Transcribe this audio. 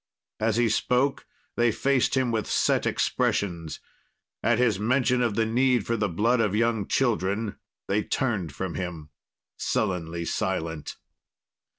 As he spoke, they faced him with set expressions. At his mention of the need for the blood of young children, they turned from him, sullenly silent.